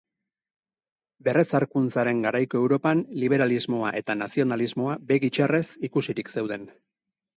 Berrezarkuntzaren garaiko Europan liberalismoa eta nazionalismoa begi txarrez ikusirik zeuden.